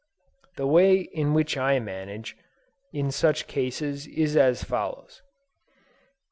The way in which I manage, in such cases, is as follows.